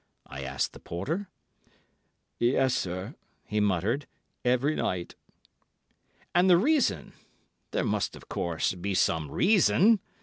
I asked the porter. "Yes, sir," he muttered, "every night." "And the reason?—there must, of course, be some reason.